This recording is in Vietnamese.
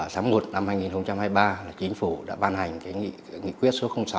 từ sáng một năm hai nghìn hai mươi ba là chính phủ đã ban hành nghị quyết số sáu